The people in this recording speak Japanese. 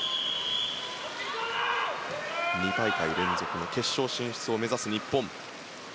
２大会連続の決勝進出を目指す日本。